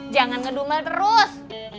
jangan ngedumel terus